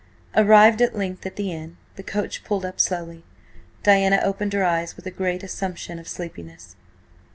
... Arrived at length at the inn, the coach pulled up slowly. Diana opened her eyes with a great assumption of sleepiness.